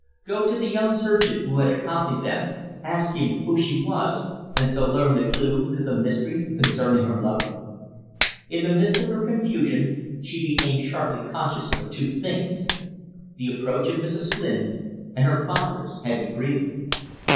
Go to the young surgeon who had accompanied them, ask him who she was, and so learn the clue to the mystery concerning her lover? In the midst of her confusion she became sharply conscious of two things: the approach of Mrs. Flynn, and her father's heavy breathing.